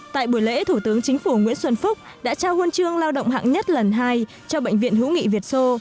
tại buổi lễ thủ tướng chính phủ nguyễn xuân phúc đã trao huân chương lao động hạng nhất lần hai cho bệnh viện hữu nghị việt sô